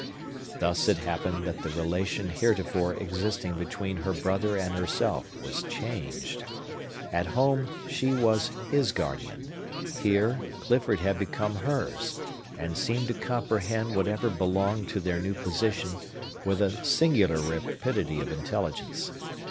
Thus it happened that the relation heretofore existing between her brother and herself was changed. At home, she was his guardian; here, Clifford had become hers, and seemed to comprehend whatever belonged to their new position with a singular rapidity of intelligence.